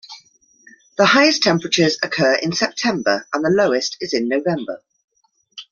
The highest temperatures occur in September and the lowest is in November.